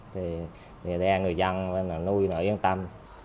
thì ra người dân nó nuôi nó yên tâm